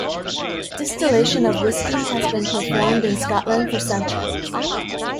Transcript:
Distillation of whisky has been performed in Scotland for centuries.